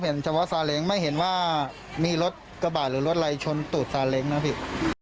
เฉพาะซาเล้งไม่เห็นว่ามีรถกระบาดหรือรถอะไรชนตูดซาเล้งนะพี่